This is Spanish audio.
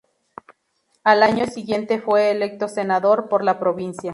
Al año siguiente fue electo senador por la provincia.